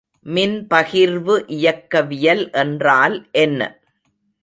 மின்பகிர்வு இயக்கவியல் என்றால் என்ன?